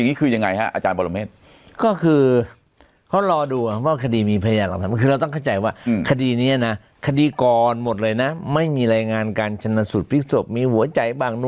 มีแค่สารวัตรปูกับคุณก้อยเนี่ยที่ชนะภูมิจะยอด